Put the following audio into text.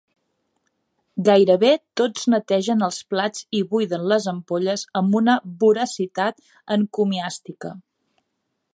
Gairebé tots netegen els plats i buiden les ampolles amb una voracitat encomiàstica.